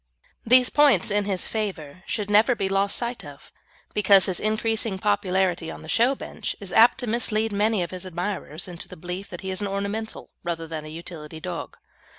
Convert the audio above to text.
These points in his favour should never be lost sight of, because his increasing popularity on the show bench is apt to mislead many of his admirers into the belief that he is an ornamental rather than a utility dog.